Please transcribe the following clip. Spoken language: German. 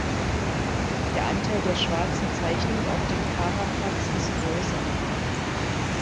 Der Anteil der Schwarzen Zeichnung auf dem Carapax' ist größer.